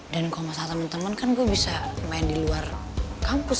kalau masalah temen temen kan gue bisa main di luar kampus